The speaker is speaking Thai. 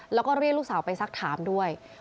แล้วก็เรียกลูกสาวไปสักถามด้วย